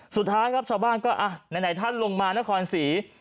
สุดท้ายครับชาวบ้านก็อ่ะไหนท่านลงมานครศรี